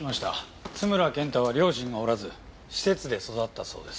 津村健太は両親がおらず施設で育ったそうです。